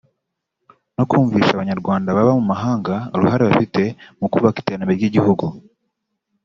no kumvisha Abanyarwanda baba mu mahanga uruhare bafite mu kubaka iterambere ry’igihugu